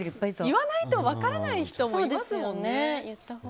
言わないと分からない人もいますもんね。